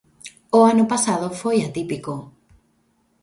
O ano pasado foi atípico.